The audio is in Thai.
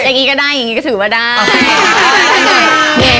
อย่างนี้ก็ได้อย่างนี้ก็ถือว่าได้